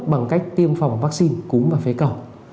bằng cách tiêm phòng vắc xin cúm và phé cỏ